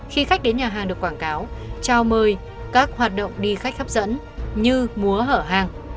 khi khách đến nhà hàng được quảng cáo trao mời các hoạt động đi khách hấp dẫn như múa hở hàng